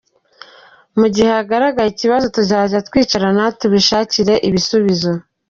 Mu gihe hagaragaye ikibazo tuzajya twicarana tubishakire ibisubizo.